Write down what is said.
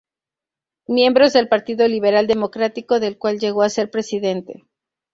Miembro del Partido Liberal Democrático, del cual llegó a ser Presidente.